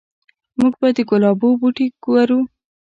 موږ به د ګلابو بوټي کرو